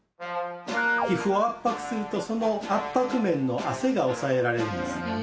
皮膚を圧迫するとその圧迫面の汗が抑えられるんです。